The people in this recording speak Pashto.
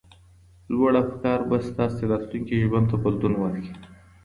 لوړ افکار به ستا راتلونکي ژوند ته بدلون ورکړي.